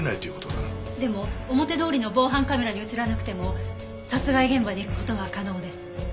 でも表通りの防犯カメラに映らなくても殺害現場に行く事は可能です。